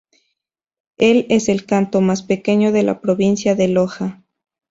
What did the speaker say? Es el cantón más pequeño de la provincia de Loja.